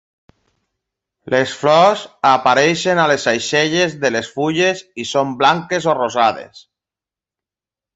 Les flors apareixen a les aixelles de les fulles i són blanques o rosades.